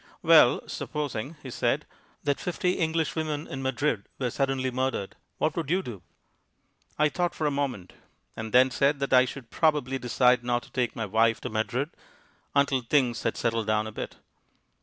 "Well, supposing," he said, "that fifty English women in Madrid were suddenly murdered, what would you do?" I thought for a moment, and then said that I should probably decide not to take my wife to Madrid until things had settled down a bit.